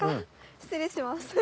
失礼します。